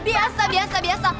biasa biasa biasa